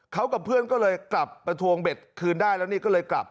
เขากับเพื่อนก็เลยกลับประทวงเบ็ดคืนได้แล้วนี่ก็เลยกลับ